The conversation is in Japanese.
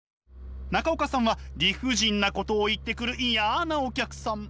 中岡さんは理不尽なことを言ってくる嫌なお客さん。